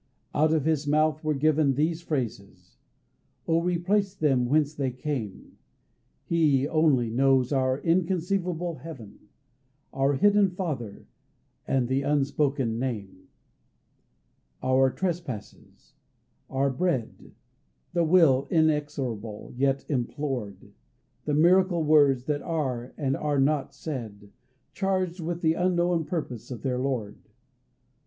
Out of His mouth were given These phrases. O replace them whence they came. He, only, knows our inconceivable "Heaven," Our hidden "Father," and the unspoken "Name"; Our "trespasses," our "bread," The "will" inexorable yet implored; The miracle words that are and are not said, Charged with the unknown purpose of their Lord.